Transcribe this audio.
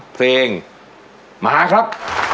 เพลงมาครับ